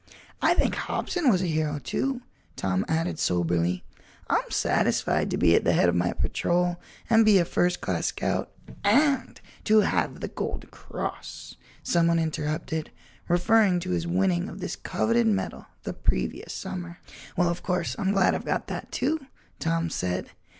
"I think Hobson was a hero, too," Tom added soberly. "I'm satisfied to be at the head of my patrol and be a first class scout——" "And to have the gold cross," someone interrupted, referring to his winning of this coveted medal the previous summer. "Well, of course, I'm glad I've got that, too," Tom said.